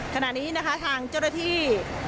ขณะนี้นะคะทางเจ้าหน้าที่